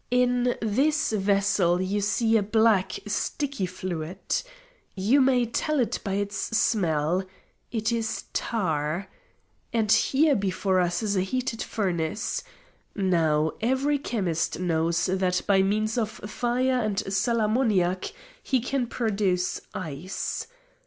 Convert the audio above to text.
In this vessel you see a black, sticky fluid. You may tell it by its smell. It is tar. And here before us is a heated furnace. Now, every chemist knows that by means of fire and sal ammoniac he can produce ice.